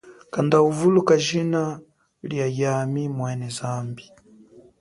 Kanda uvuluka jina lia yami mwene zambi.